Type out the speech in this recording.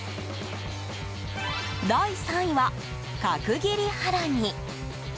第３位は角切りハラミ。